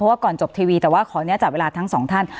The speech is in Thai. ว่าก่อนจบทีวีแต่ว่าขออนุญาตจับเวลาทั้งสองท่าน